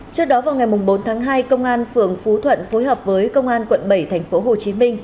trước đó vào ngày bốn tháng hai công an phường phú thuận phối hợp với công an quận bảy tp hcm